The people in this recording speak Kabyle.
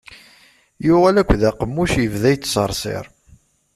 Yuɣal akk d aqemmuc yebda yettṣeṛṣiṛ.